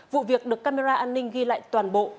vụ việc được camera an ninh ghi lại toàn bộ